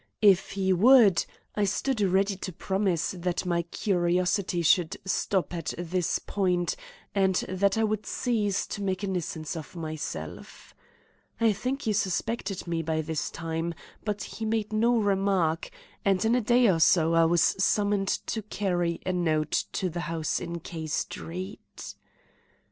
If he would, I stood ready to promise that my curiosity should stop at this point and that I would cease to make a nuisance of myself. I think he suspected me by this time; but he made no remark, and in a day or so I was summoned to carry a note to the house in K Street.